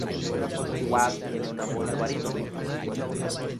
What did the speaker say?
Wap tiene una voz de barítono.